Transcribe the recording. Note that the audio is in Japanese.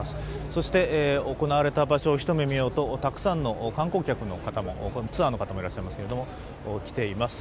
そして、行われた場所を一目見ようと、たくさんの観光客の方、ツアーの方もいらっしゃいますが、来ています。